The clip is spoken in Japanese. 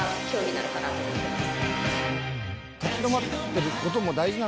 なのかなと思ってます